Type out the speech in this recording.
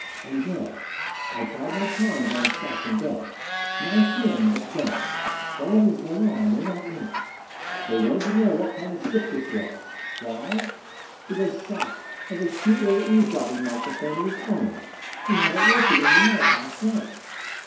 "And Gregg, I tried my charms on Shac and Dud. Nice men, but dumb. Whatever's going on, they're not in it. They wanted to know what kind of a ship this was. Why? Because Shac has a cute little eavesdropping microphone of his own. He had it working in the night last night.